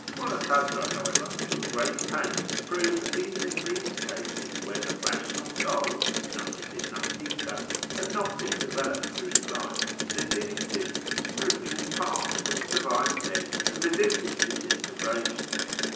Mulla Sadra, how ever, took great pains to prove that even in these cases where the " Eational Soul " {Nafs i ndtika) had not been developed during life, there did exist a spiritual part which survived death and resisted disintegration.